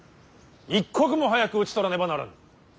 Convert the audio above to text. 一刻も早く討ち取らねばならぬ。